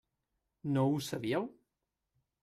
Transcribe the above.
No ho sabíeu?